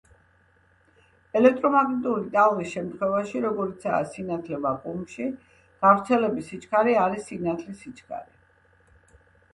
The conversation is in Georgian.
ელექტრომაგნიტური ტალღის შემთხვევაში, როგორიცაა სინათლე ვაკუუმში, გავრცელების სიჩქარე არის სინათლის სიჩქარე.